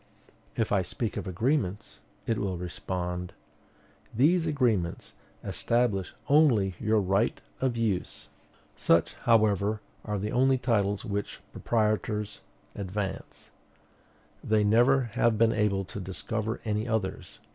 If I speak of agreements, it will respond, "These agreements establish only your right of use." Such, however, are the only titles which proprietors advance. They never have been able to discover any others.